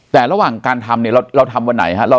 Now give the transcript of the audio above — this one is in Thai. แต่ระหว่างการทำเนี่ยเราทำวันไหนฮะ